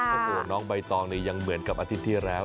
โอ้โหน้องใบตองนี่ยังเหมือนกับอาทิตย์ที่แล้ว